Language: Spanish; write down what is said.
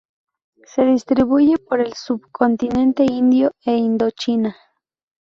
Se distribuye por el subcontinente indio e Indochina.